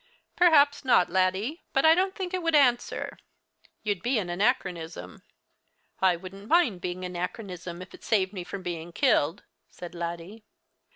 "Perhaps not, Laddie; but I don't think it would answer. You'd be an anachronism." "I wouldn't mind being a nackerism if it saved me from being killed," said Laddie.